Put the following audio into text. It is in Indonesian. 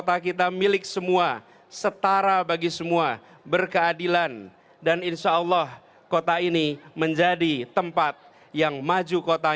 apalagi kalau lihatnya di televisi juga